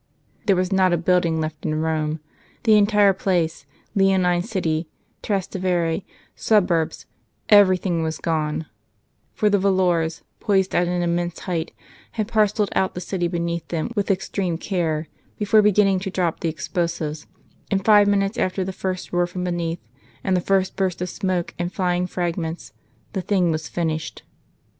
There was not a building left in Rome; the entire place, Leonine City, Trastevere, suburbs everything was gone; for the volors, poised at an immense height, had parcelled out the City beneath them with extreme care, before beginning to drop the explosives; and five minutes after the first roar from beneath and the first burst of smoke and flying fragments, the thing was finished.